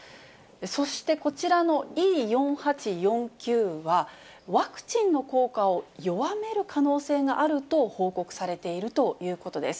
そしてこちらのＥ４８４Ｑは、ワクチンの効果を弱める可能性があると報告されているということです。